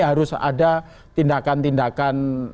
harus ada tindakan tindakan